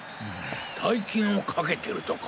大金を賭けてるとか？